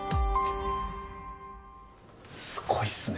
すごいっすね！